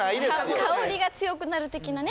香りが強くなる的なね